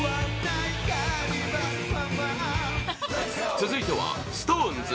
続いては、ＳｉｘＴＯＮＥＳ